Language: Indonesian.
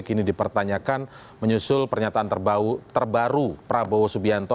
kini dipertanyakan menyusul pernyataan terbaru prabowo subianto